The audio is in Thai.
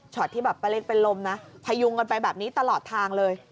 ที่แบบป้าเล็กเป็นลมนะพยุงกันไปแบบนี้ตลอดทางเลย